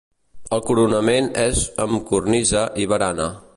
El coronament és amb cornisa i barana.